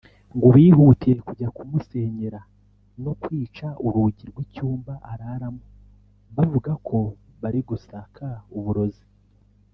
ngo bihutiye kujya kumusenyera no kwica urugi rw’icyumba araramo bavuga ko bari gusaka uburozi